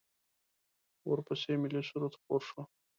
ورپسې ملی سرود خپور شو.